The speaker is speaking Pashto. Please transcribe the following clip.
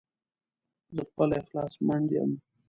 زه خپله اخلاص مند يم